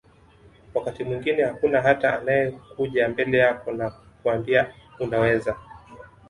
wakati mwingine hakuna hata anakayekuja mbele yako na kukuambia unaweza